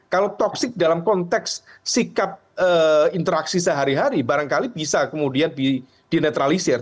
kalau toksik dalam konteks sikap interaksi sehari hari barangkali bisa kemudian dinetralisir